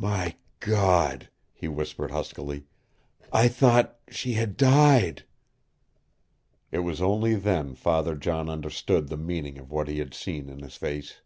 "My God," he whispered huskily. "I thought she had died!" It was only then Father John understood the meaning of what he had seen in his face.